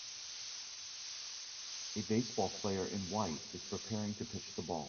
A baseball player in white is preparing to pitch the ball.